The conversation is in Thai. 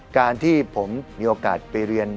การที่ผมมีโอกาสไปเรียน